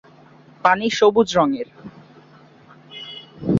পানি সবুজ রংয়ের।